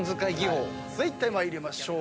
続いて参りましょう。